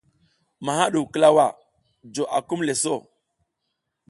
Maha ɗu klawa jo akumle so.